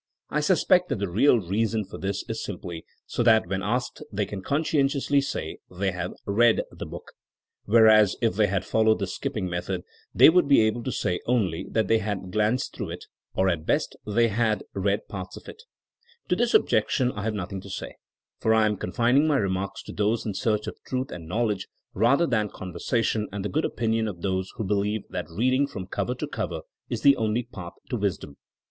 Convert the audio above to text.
I suspect that the real reason for this is simply so that when asked they can conscientiously say they have read the book. 'Whereas if they had followed this skipping method they would be able to say only that they had glanced through if or at best that they had read parts of if To this objection I have nothing to say, for I am confining my remarks to those in search of truth and knowledge rather than conversation and the good opinion of those who believe that reading from cover to cover is the only path to wisdom.